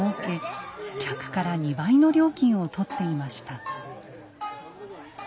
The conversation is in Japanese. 客から２倍の料金をとっていました。